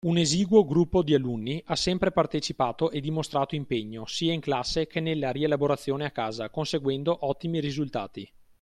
Un esiguo gruppo di alunni ha sempre partecipato e dimostrato impegno sia in classe che nella rielaborazione a casa, conseguendo ottimi risultati.